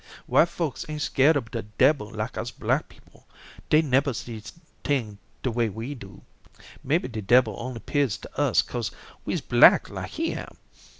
"White folks ain't scared ob de debbil like us black people. Dey nebber see tings de way we do. Maybe de debbil only 'pears to us kose we's black like he am.